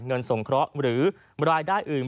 เงินส่งเคราะห์หรือบรายได้อื่น